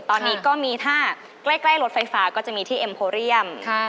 ตอนนี้ก็มีถ้าใกล้รถไฟฟ้าก็จะมีที่เอ็มโพเรียม